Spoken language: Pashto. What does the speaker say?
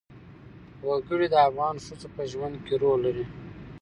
وګړي د افغان ښځو په ژوند کې رول لري.